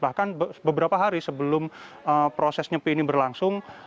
bahkan beberapa hari sebelum proses nyepi ini berlangsung